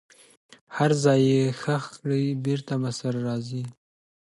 هر ځای یې ښخ کړئ بیرته به سره راځي.